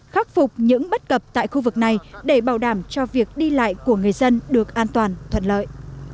khắc phục những bất cập tại khu vực này để bảo đảm cho việc đi lại của người dân được an toàn thuận lợi